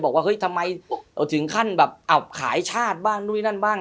บอกว่าเฮ้ยทำไมเราถึงขั้นแบบอับขายชาติบ้างนู่นนั่นบ้าง